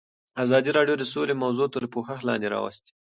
ازادي راډیو د سوله موضوع تر پوښښ لاندې راوستې.